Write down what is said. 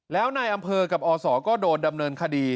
แล้วนายอำเภอกับอศก็โดนดำเนินคดี